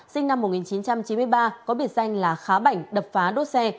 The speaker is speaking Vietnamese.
sinh năm một nghìn chín trăm chín mươi ba có biệt danh là khá bảnh đập phá đốt xe